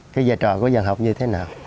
cái giai trò của văn học như thế nào